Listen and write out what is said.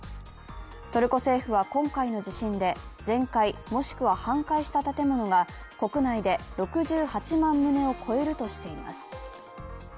トルコ政府は今回の地震で全壊、もしくは半壊した建物が国内で６８万棟を超えるとしています。